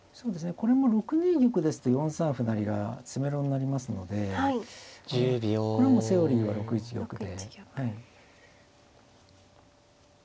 これも６二玉ですと４三歩成が詰めろになりますのでこれはもうセオリーは６一玉で。